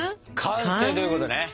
完成ということね！